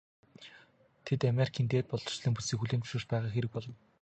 Тэд Америкийн дээд боловсролын бүтцийг хүлээн зөвшөөрч байгаа хэрэг болно.